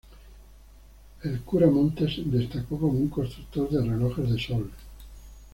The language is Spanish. El "cura Montes" destacó como un constructor de relojes de sol.